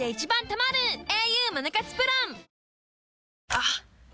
あっ！